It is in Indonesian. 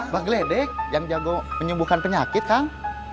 bak ledek yang jago menyembuhkan penyakit kang